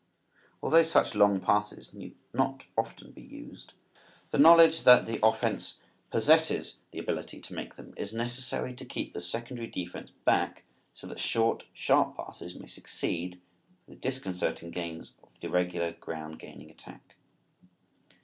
Although such long passes need not often be used, the knowledge that the offense possesses the ability to make them is necessary to keep the secondary defense back so that short, sharp passes may succeed for the disconcerting gains of the regular ground gaining attack.